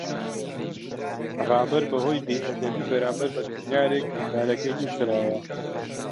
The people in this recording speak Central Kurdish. ڕابەر بەهۆی بێئەدەبی بەرامبەر بە کڕیارێک لە کارەکەی دوورخرایەوە.